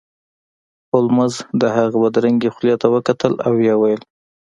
هولمز د هغه بدرنګې خولې ته وکتل او ویې ویل